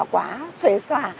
quá xuế xòa